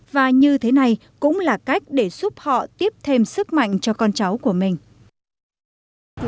và như thế này cũng là cách để giúp họ tiếp thêm sức mạnh cho con cháu của mình